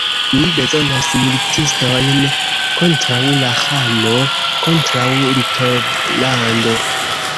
Mi bezonas militistojn kontraŭ la ĥano, kontraŭ Litovlando.